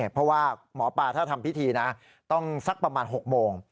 เพราะว่าหมอปลาถ้าทำพิธีนะต้องสักประมาณ๖โมง